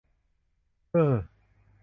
เฮ้อ !